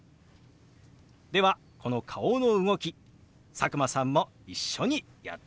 ではこの顔の動き佐久間さんも一緒にやってみましょう！